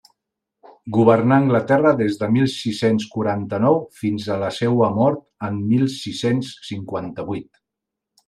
Governà Anglaterra des de mil sis-cents quaranta-nou fins a la seua mort en mil sis-cents cinquanta-huit.